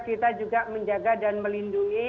kita juga menjaga dan melindungi